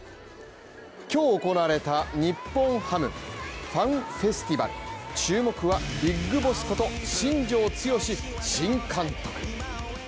今日行われた日本ハムファンフェスティバル注目はビッグボスこと新庄剛志新監督。